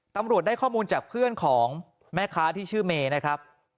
ตำรวจได้ข้อมูลจากเพื่อนของแม่ค้าที่ชื่อเมย์นะครับ